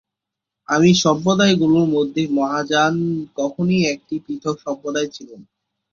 আদি সম্প্রদায়গুলির মধ্যে মহাযান কখনই একটি পৃথক সম্প্রদায় ছিল না।